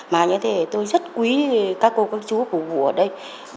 mà như thế tôi rất quý các cô các chú phục vụ ở đây